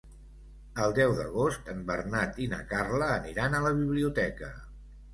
El deu d'agost en Bernat i na Carla aniran a la biblioteca.